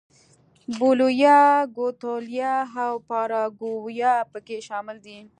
بولیویا، ګواتیلا او پاراګوای په کې شامل دي.